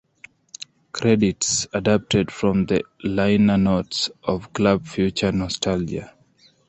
Credits adapted from the liner notes of "Club Future Nostalgia".